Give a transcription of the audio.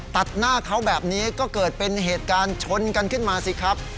ตัดหน้าเขาแบบนี้ก็เกิดเป็นเหตุการณ์ชนกันขึ้นมาสิครับ